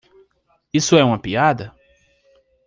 Isso é uma piada?